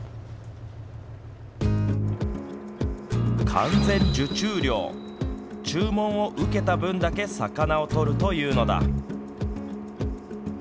完全受注漁注文を受けた分だけ魚を取るというのだ。